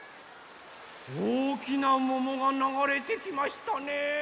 おおきなももがながれてきましたね。